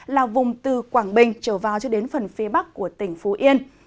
là vùng từ quảng bình trở vào cho đến phần phía bắc của tỉnh phú yên